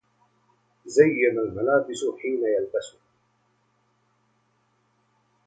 زين الملابس حين يلبسها